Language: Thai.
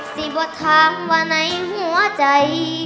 สิบว่าทางว่าในหัวใจ